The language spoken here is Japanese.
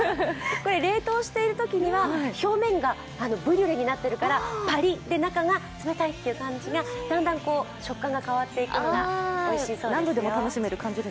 これ冷凍しているときには表面がブリュレになってるからパリッ、それで中が冷たいという感じがだんだん食感が変わっていくのがおいしいそうですよ。